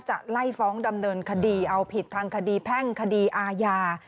จะไล่ฟ้องดำเนินคดีเอาผิดทางคดีแพ่งคดีอาญา